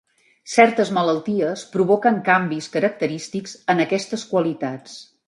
Certes malalties provoquen canvis característics en aquestes qualitats.